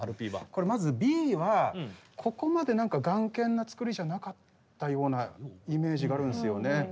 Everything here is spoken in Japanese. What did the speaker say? これまず「Ｂ」はここまで何か頑健な造りじゃなかったようなイメージがあるんですよね。